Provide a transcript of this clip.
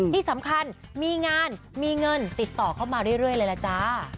ที่สำคัญมีงานมีเงินติดต่อเข้ามาเรื่อยเลยล่ะจ้า